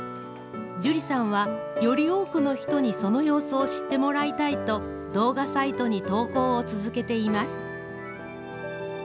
じゅりさんはより多くの人にその様子を知ってもらいたいと、動画サイトに投稿を続けています。